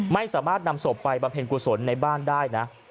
ไม่สามารถนำศพไปบำเพ็ญกุศลในบ้านได้นะ